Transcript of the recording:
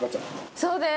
そうです。